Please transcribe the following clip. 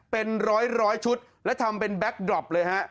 เป็นร้อยชุดและทำเป็นแก๊กดรอปเลยฮะ